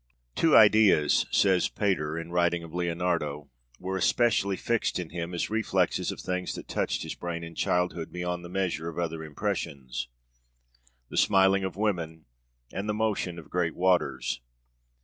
'Two ideas,' says Pater, in writing of Leonardo, 'were especially fixed in him, as reflexes of things that touched his brain in childhood beyond the measure of other impressions the smiling of women, and the motion of great waters.'